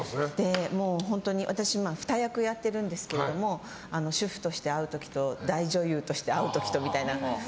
本当に私２役やってるんですけども主婦として会う時と大女優として会う時とみたいな。